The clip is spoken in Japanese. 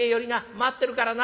待ってるからな」。